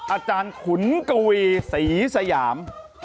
อาจารย์ขุนกวีสีสยาม